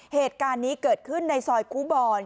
เหตุการณ์นี้เกิดขึ้นในซอยครูบอล